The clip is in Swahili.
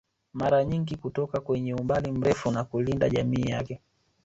Mara nyingi kutoka kwenye umbali mrefu na kulinda jamii yake